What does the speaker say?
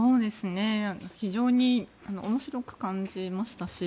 非常に面白く感じましたし